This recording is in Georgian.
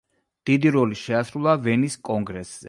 დიდი როლი შეასრულა ვენის კონგრესზე.